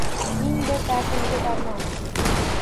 Ming bir dardimga darmon!